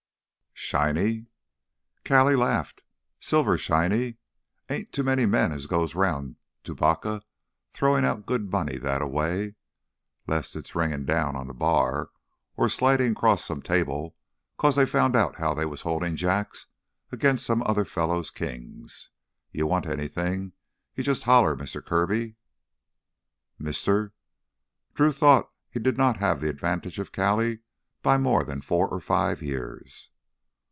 "Shiny?" Callie laughed. "Silver shiny! Ain't too many men as goes round Tubacca throwin' out good money thataway. 'Less it's ringin' down on th' bar, or slidin' 'cross some table 'cause they found out as how they was holdin' Jacks against some other fella's Kings. You want anything—you jus' holler, Mister Kirby!" "Mister?" Drew thought he did not have the advantage of Callie by more than four or five years.